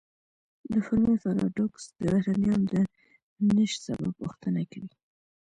د فرمی پاراډوکس د بهرنیانو د نشت سبب پوښتنه کوي.